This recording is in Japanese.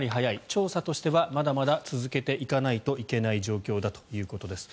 調査としてはまだまだ続けていかないといけない状況だということです。